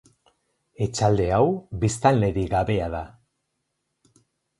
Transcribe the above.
Etxalde hau biztanlerik gabea da.